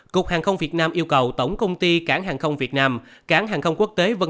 cục hàng không việt nam yêu cầu tổng công ty cảng hàng không việt nam cảng hàng không quốc tế v